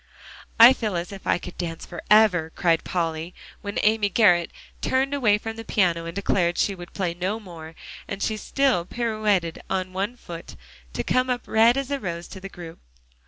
"I feel as if I could dance forever," cried Polly, when Amy Garrett turned away from the piano and declared she would play no more and she still pirouetted on one foot, to come up red as a rose to the group.